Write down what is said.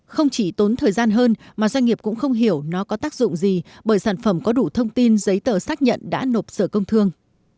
không chỉ tốn thời gian hơn mà doanh nghiệp cũng không hiểu nó có tác dụng gì bởi sản phẩm có đủ thông tin giấy tờ xác nhận đã nộp sở công thương